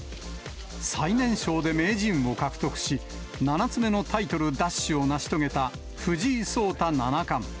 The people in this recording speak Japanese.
最年少で名人を獲得し、７つ目のタイトル奪取を成し遂げた藤井聡太七冠。